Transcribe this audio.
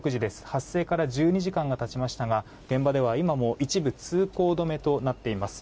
発生から１２時間が経ちましたが現場では今も一部通行止めとなっています。